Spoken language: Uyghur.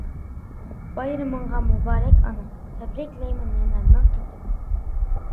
بايرىمىڭغا مۇبارەك ئانا، تەبرىكلەيمەن يەنە مىڭ قېتىم.